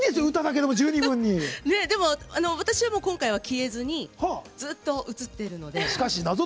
でも、私は今回は消えずにずっと映っているので。